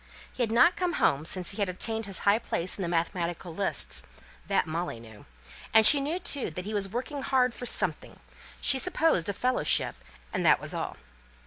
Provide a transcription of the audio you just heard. He had not come home since he had obtained his high place in the mathematical lists: that Molly knew; and she knew, too, that he was working hard for something she supposed a fellowship and that was all.